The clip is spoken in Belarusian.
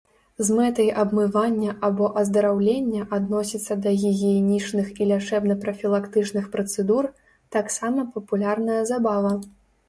З мэтай абмывання або аздараўлення адносіцца да гігіенічных і лячэбна-прафілактычных працэдур, таксама папулярная забава.